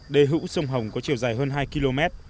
đề hữu sông hồng có chiều dài hơn hai km